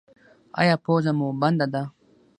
ایا پوزه مو بنده ده؟